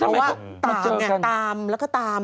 เพราะว่าตามไงตามแล้วก็ตาม